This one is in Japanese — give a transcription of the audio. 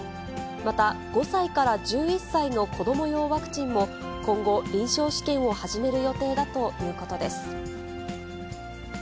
また、５歳から１１歳の子ども用ワクチンも、今後、臨床試験を始める予定だということです。